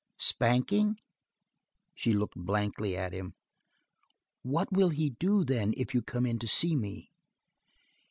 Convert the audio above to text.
"Spanking?" She looked blankly at him. "What will he do, then, if you come in to see me?"